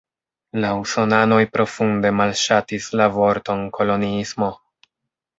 La usonanoj profunde malŝatis la vorton "koloniismo".